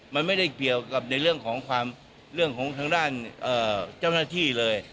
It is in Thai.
มันไม่ได้เบียบกับในเรื่องของทางด้านเจ้าหน้าที่